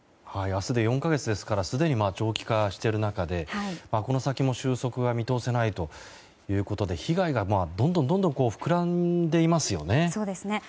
明日で４か月ですからすでに長期化している中でこの先も収束が見通せないということで被害がどんどん膨らんでいますよね。